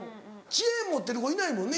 チェーン持ってる子いないもんね